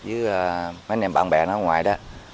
với mấy anh em bạn bè nó ở ngoài đó